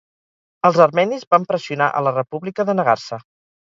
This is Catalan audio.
Els armenis van pressionar a la República de negar-se.